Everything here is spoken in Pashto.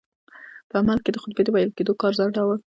په عمل کې یې د خطبې د ویل کېدلو کار ځنډاوه.